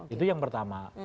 itu yang pertama